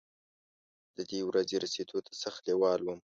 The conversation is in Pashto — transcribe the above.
ددې ورځې رسېدو ته سخت لېوال وم.